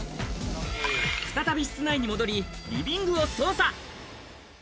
再び室内に戻り、リビングを捜査。